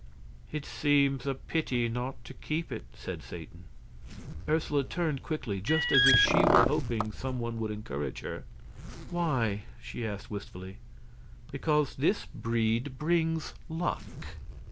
"It seems a pity not to keep it," said Satan. Ursula turned quickly just as if she were hoping some one would encourage her. "Why?" she asked, wistfully. "Because this breed brings luck."